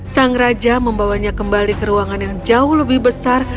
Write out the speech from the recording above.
sang raja membawanya kembali ke ruangan yang jauh lebih besar